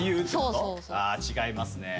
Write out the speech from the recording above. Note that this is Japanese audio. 違いますね。